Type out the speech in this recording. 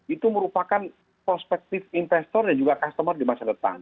itu merupakan perspektif investor dan juga customer di masa depan